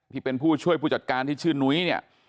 ที่เป็นผู้ช่วยผู้จัดการที่ชื่อนุ้ยเนี่ย